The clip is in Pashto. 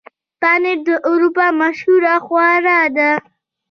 پنېر د اروپا مشهوره خواړه ده.